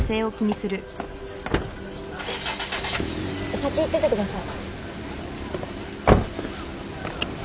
先行っててください。